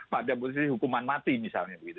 pada posisi hukuman mati misalnya begitu